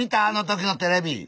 あの時のテレビ。